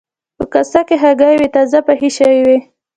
په کاسه کې هګۍ وې تازه پخې شوې وې.